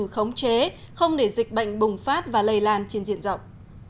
khống chế không để dịch bệnh bùng phát và lây lan trên diện rộng